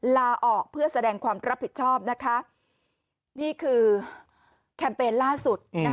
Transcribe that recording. ลาออกเพื่อแสดงความรับผิดชอบนะคะนี่คือแคมเปญล่าสุด